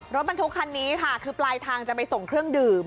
รถบรรทุกคันนี้ค่ะคือปลายทางจะไปส่งเครื่องดื่ม